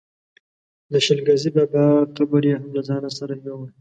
د شل ګزي بابا قبر یې هم له ځانه سره یووړ.